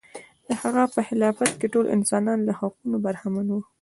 د هغه په خلافت کې ټول انسانان له حقونو برخمن و.